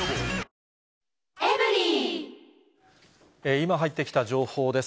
今入ってきた情報です。